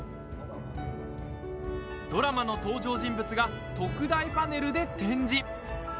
ドラマの登場人物が特大パネルで展示。